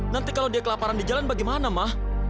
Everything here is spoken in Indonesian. nanti kalau dia kelaparan di jalan bagaimana mah